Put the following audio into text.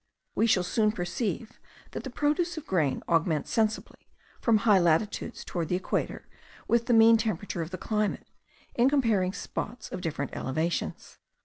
We shall soon perceive that the produce of grain augments sensibly, from high latitudes towards the equator, with the mean temperature of the climate, in comparing spots of different elevations.